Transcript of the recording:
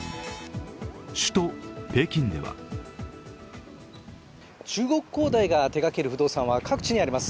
首都・北京では中国恒大が手がける不動産は各地にあります。